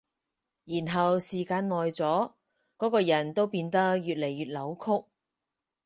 然後時間耐咗，嗰個人都會變得越來越扭曲